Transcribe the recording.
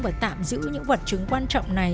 và tạm giữ những vật chứng quan trọng này